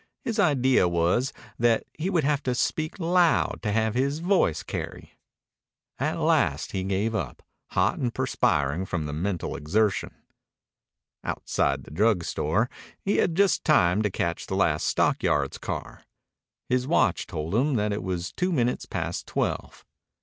His idea was that he would have to speak loud to have his voice carry. At last he gave up, hot and perspiring from the mental exertion. Outside the drug store he just had time to catch the last stockyards car. His watch told him that it was two minutes past twelve.